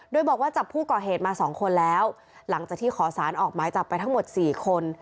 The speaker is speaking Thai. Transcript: โดยบอกว่าจับผู้ก่อเหตุมาสองคนแล้วหลังจากที่ขอสารออกหมายจับไปทั้งหมด๔คน